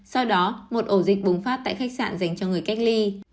sau đó một ổ dịch bùng phát tại khách sạn dành cho người cách ly